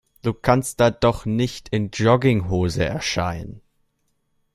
Du kannst da doch nicht in Jogginghose erscheinen.